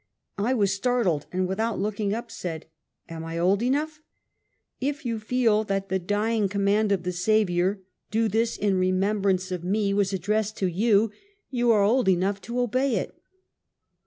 I was startled and without looking up, said : "Am I old enough ?"" If you feel that the dying command of the Savior, 'do this in remembrance of me' was addressed to you, you are old enough to obey it."